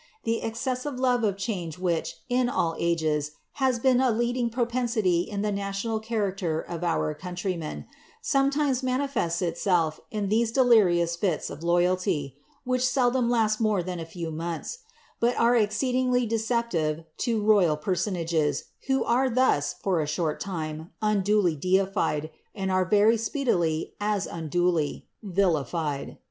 The escessive love of change which, in all age?, has been a leading propensity in the national character of our countrvnien, som^ times manifests itself in these delirious (its of loyalty, which seldom li^i more than a few months, bul are exceedingly deceptive to roval pe: sonages who are ihus, for a short time, unduly deitied, and are itn' speedily, as unduly, vilified.